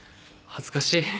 恥ずかしい。